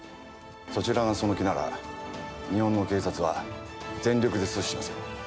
そちらがその気なら日本の警察は全力で阻止しますよ。